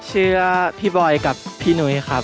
เชื่อพี่บอยกับพี่หนุ้ยครับ